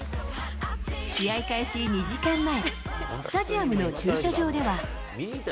試合開始２時間前、スタジアムの駐車場では。